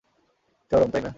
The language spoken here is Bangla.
চরম, তাইনা?